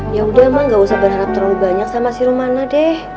yaudah emang gak usah berharap terlalu banyak sama si romana deh